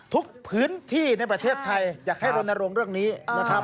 ทุกพื้นที่ในประเทศไทยอยากให้รณรงค์เรื่องนี้นะครับ